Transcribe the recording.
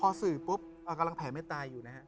พอสื่อกำลังแผลไม่ตายอยู่นะครับ